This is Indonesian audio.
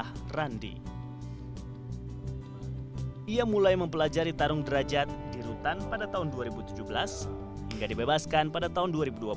hingga dibebaskan pada tahun dua ribu dua puluh